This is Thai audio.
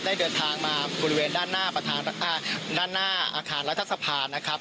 ได้เดินทางมาบริเวณด้านหน้าด้านหน้าอาคารรัฐสภานะครับ